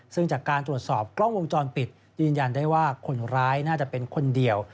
ซึ่งจากการตรวจสอบกล้องวงจรปิดยืนยันได้ว่าคนร้ายน่าจะเป็นคนเดียว